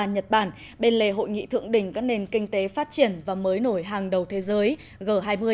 nhật bản bên lề hội nghị thượng đỉnh các nền kinh tế phát triển và mới nổi hàng đầu thế giới g hai mươi